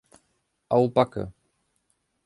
Au Backe!